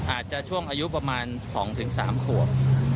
อาจจะช่วงอายุประมาณ๒๓ขวบ